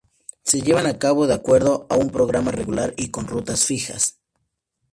Se llevan a cabo de acuerdo a un programa regular y con rutas fijas.